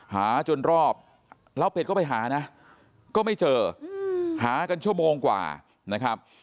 หาจนรอบแล้วเป็ดก็ไปหานะก็ไม่เจอหากันชั่วโมงกว่านะครับ